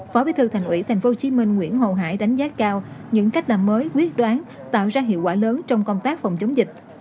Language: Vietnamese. phó bí thư thành ủy tp hcm nguyễn hồ hải đánh giá cao những cách làm mới quyết đoán tạo ra hiệu quả lớn trong công tác phòng chống dịch